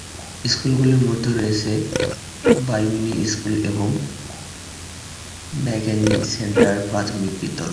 স্কুলগুলির মধ্যে রয়েছে বাইউনি স্কুল এবং মাকেনি সেন্টার প্রাথমিক বিদ্যালয়।